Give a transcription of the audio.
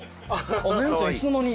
メンちゃんいつの間に。